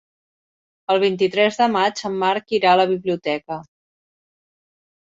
El vint-i-tres de maig en Marc irà a la biblioteca.